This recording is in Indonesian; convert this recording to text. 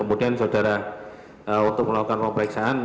untuk melakukan pemeriksaan